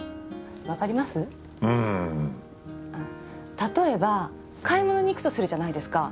例えば買い物に行くとするじゃないですか。